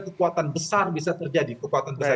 kekuatan besar bisa terjadi kekuatan tersebut